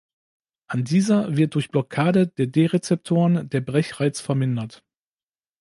An dieser wird durch Blockade der D-Rezeptoren der Brechreiz vermindert.